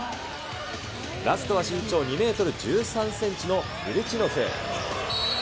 ラストは身長２メートル１３センチのミルチノフ。